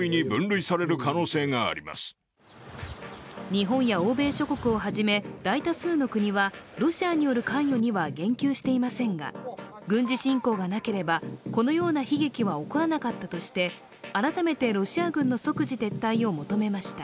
日本や欧米諸国をはじめ大多数の国はロシアによる関与には言及していませんが、軍事侵攻がなければこのような悲劇は起こらなかったとして、改めてロシア軍の即時撤退を求めました。